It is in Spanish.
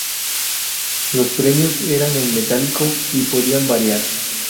Los premios eran en metálico y podían variar.